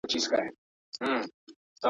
پوهان وايي چي بايد ټولني ته سالم جهت ورکړو.